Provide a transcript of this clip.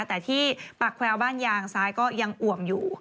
แต่ที่ปากแควร์บ้านยางซ้ายก็ยังอ่วมอยู่